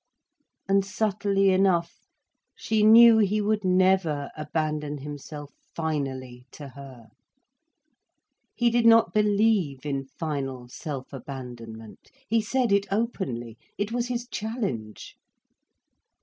And subtly enough, she knew he would never abandon himself finally to her. He did not believe in final self abandonment. He said it openly. It was his challenge.